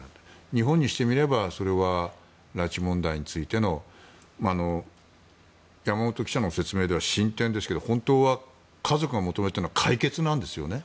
日本にしてみれば拉致問題についての山本記者の説明では進展ですけど本当は家族が求めているのは解決なんですよね。